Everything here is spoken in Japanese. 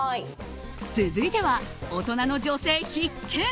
続いては、大人の女性必見！